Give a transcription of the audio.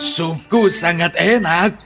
sumpuh sangat enak